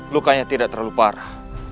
lukanya tidak terlalu parah